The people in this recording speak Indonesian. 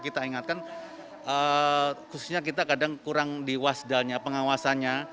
kita ingatkan khususnya kita kadang kurang diwasdalnya pengawasannya